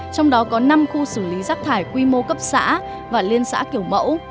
trong đó có năm khu xử lý rác thải quy mô cấp xã và liên xã kiểu mẫu